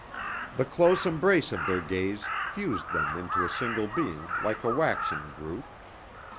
The close embrace of their gaze fused them into a single being like a waxen group.